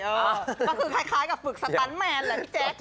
ก็คือคล้ายกับฝึกสตันแมนแหละพี่แจ๊ค